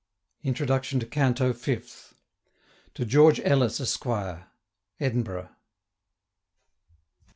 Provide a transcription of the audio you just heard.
INTRODUCTION TO CANTO FIFTH. TO GEORGE ELLIS, ESQ. Edinburgh.